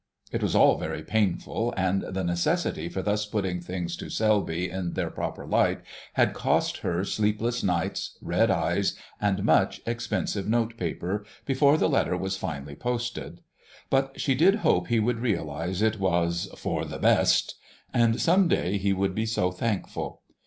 It was all very painful, and the necessity for thus putting things to Selby in their proper light, had cost her sleepless nights, red eyes, and much expensive notepaper, before the letter was finally posted. But she did hope he would realise it was For the Best, ... and some day he would be so thankful....